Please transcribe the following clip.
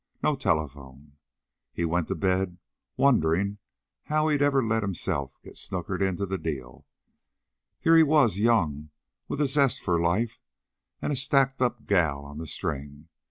No telephone. He went to bed wondering how he'd ever let himself get snookered into the deal. Here he was, young, with a zest for life and a stacked up gal on the string.